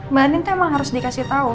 mbak nintu emang harus dikasih tau